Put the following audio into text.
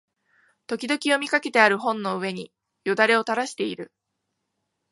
時々読みかけてある本の上に涎をたらしている